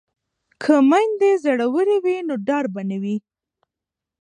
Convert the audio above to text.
که میندې زړورې وي نو ډار به نه وي.